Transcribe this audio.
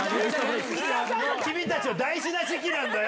君たちは大事な時期なんだよ。